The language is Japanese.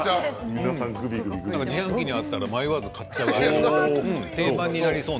自販機にあったら迷わず買ってしまいそう。